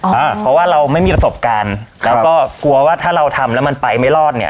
เพราะว่าเราไม่มีประสบการณ์แล้วก็กลัวว่าถ้าเราทำแล้วมันไปไม่รอดเนี่ย